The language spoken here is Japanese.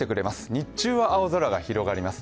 日中は青空が広がります。